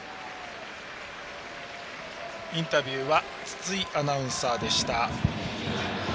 インタビューは筒井アナウンサーでした。